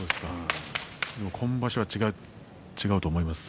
今場所は違うと思います。